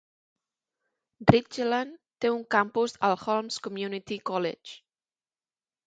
Ridgeland té un campus al Holmes Community College.